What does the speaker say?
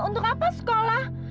untuk apa sekolah